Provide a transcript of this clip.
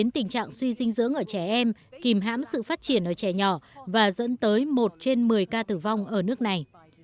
tình trạng suy dinh dưỡng ở trẻ em kìm hãm sự phát triển ở trẻ nhỏ và dẫn tới một trên một mươi ca tử vong ở nước này